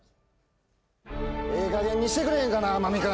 ええかげんにしてくれへんかな天海君